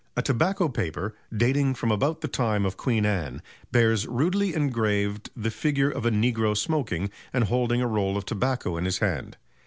A tobacco paper, dating from about the time of Queen Anne, bears rudely engraved the figure of a negro smoking, and holding a roll of tobacco in his hand.